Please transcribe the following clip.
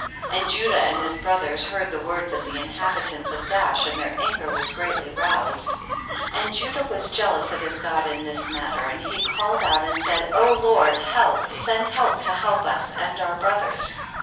28. And Judah and his brothers heard the words of the inhabitants of Gaash and their anger was greatly roused, and Judah was jealous of his God in this matter, and he called out and said, Lord, help, send help to us and our brothers.